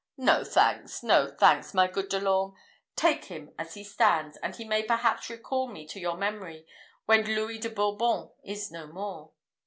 No thanks! no thanks, my good De l'Orme! Take him as he stands; and he may perhaps recall me to your memory when Louis de Bourbon is no more."